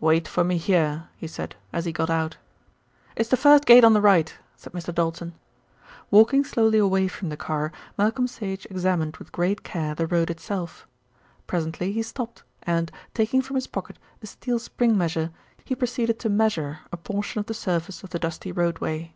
"Wait for me here," he said, as he got out. "It's the first gate on the right," said Mr. Doulton. Walking slowly away from the car, Malcolm Sage examined with great care the road itself. Presently he stopped and, taking from his pocket a steel spring measure, he proceeded to measure a portion of the surface of the dusty roadway.